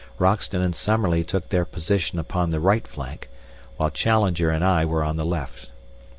Roxton and Summerlee took their position upon the right flank, while Challenger and I were on the left.